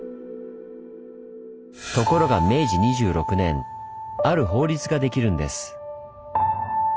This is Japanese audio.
明治２６年ある法律ができるんです。